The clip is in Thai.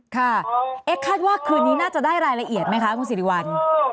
ค่ะเอ๊ะคาดว่าคืนนี้น่าจะได้รายละเอียดไหมคะคุณสิริวัล